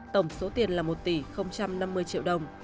tổng số tiền là một tỷ năm mươi triệu đồng